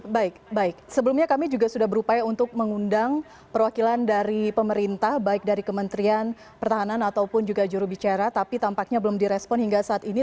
baik baik sebelumnya kami juga sudah berupaya untuk mengundang perwakilan dari pemerintah baik dari kementerian pertahanan ataupun juga jurubicara tapi tampaknya belum direspon hingga saat ini